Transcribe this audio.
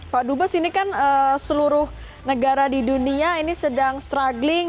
pak dubes ini kan seluruh negara di dunia ini sedang struggling